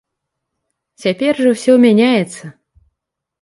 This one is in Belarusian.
Цяпер жа ўсё мяняецца.